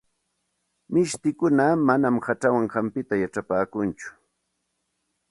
Mishtikuna manam hachawan hampita yachapaakunchu.